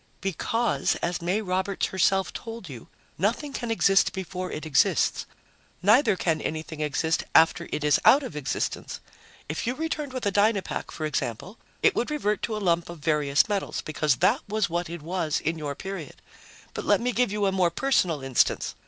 "Because, as May Roberts herself told you, nothing can exist before it exists. Neither can anything exist after it is out of existence. If you returned with a Dynapack, for example, it would revert to a lump of various metals, because that was what it was in your period. But let me give you a more personal instance.